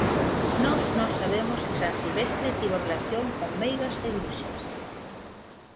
Nós non sabemos se San Silvestre tivo relación con meigas e bruxas.